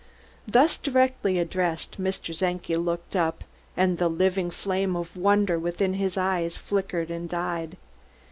Thus directly addressed Mr. Czenki looked up, and the living flame of wonder within his eyes flickered and died.